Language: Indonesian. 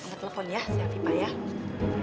aku telepon ya si afifah ya